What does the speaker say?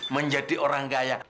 menjadi orang kaya